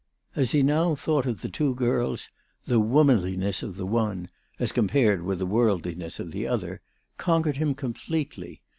As he now thought of the two girls, the womanliness of the one, as compared with the worldli ness of the other, conquered him completely.